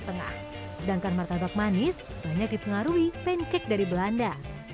tengah sedangkan martabak manis banyak dipengaruhi pancake dari belanda